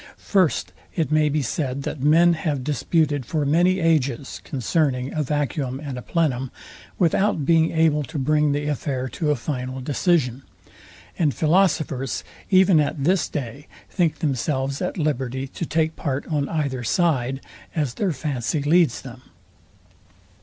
First, It may be said, that men have disputed for many ages concerning a vacuum and a plenum, without being able to bring the affair to a final decision; and philosophers, even at this day, think themselves at liberty to take part on either side, as their fancy leads them.